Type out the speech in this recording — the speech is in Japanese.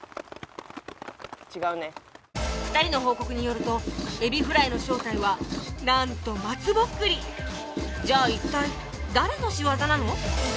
違うね二人の報告によるとエビフライの正体はなんと松ぼっくりじゃあ一体誰の仕業なの？